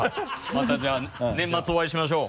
またじゃあ年末お会いしましょう。